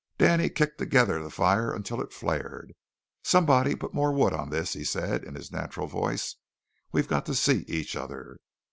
Danny kicked together the fire until it flared. "Somebody put some more wood on this," he said in his natural voice. "We've got to see each other."